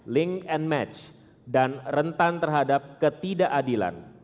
link and match dan rentan terhadap ketidakadilan